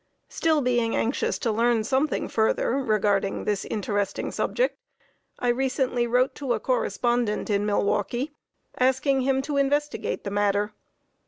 Still being anxious to learn something further regarding this interesting subject, I recently wrote to a correspondent in Milwaukee, asking him to investigate the matter.